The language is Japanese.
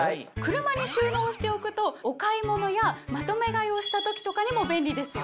車に収納しておくとお買い物やまとめ買いをした時とかにも便利ですよ。